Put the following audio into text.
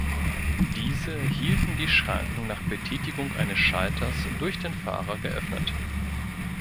Diese hielten die Schranken nach Betätigung eines Schalters durch den Fahrer geöffnet.